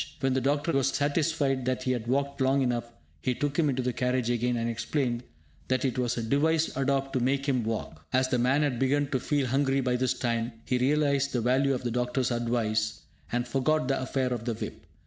When the doctor was satisfied that he had walked long enough, he took him into the carriage again, and explained that it was a device adopted to make him walk. As the man had begun to feel hungry by this time, he realised the value of the doctor's advice, and forgot the affair of the whip.